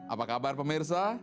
apa kabar pemirsa